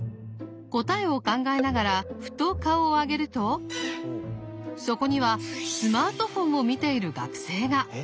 答えを考えながらふと顔を上げるとそこにはスマートフォンを見ている学生が！